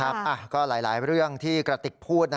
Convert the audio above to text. อ่ะก็หลายเรื่องที่กระติกพูดนะฮะ